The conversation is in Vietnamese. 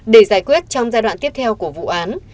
để giải quyết trong giai đoạn tiếp theo của vụ án